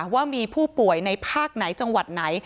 ว่ามีผู้ป่วยในภาคไหนจังหวัดไหน